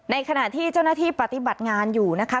ขณะที่เจ้าหน้าที่ปฏิบัติงานอยู่นะคะ